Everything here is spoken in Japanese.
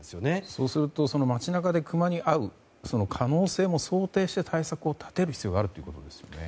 そうすると街中にクマに会う可能性も想定して対策を立てる必要があるということですよね。